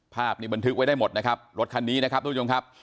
ภาพนี้บันทึกไว้ได้หมดนะครับรถคันนี้นะครับทุกผู้ชมครับ